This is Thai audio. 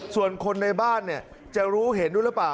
ส่วนคนในบ้านจะรู้เห็นด้วยหรือเปล่า